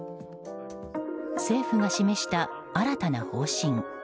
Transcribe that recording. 政府が示した、新たな方針。